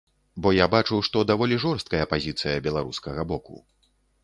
Бо я бачу, што даволі жорсткая пазіцыя беларускага боку.